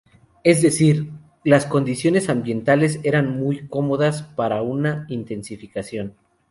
Es decir, las condiciones ambientales eran muy cómodas para una intensificación.